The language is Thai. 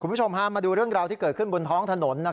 คุณผู้ชมพามาดูเรื่องราวที่เกิดขึ้นบนท้องถนน